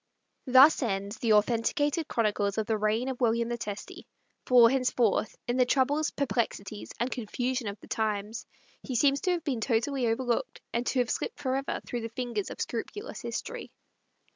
... Thus end the authenticated chronicles of the reign of William the Testy; for henceforth, in the troubles, perplexities and confusion of the times, he seems to have been totally overlooked, and to have slipped forever through the fingers of scrupulous history....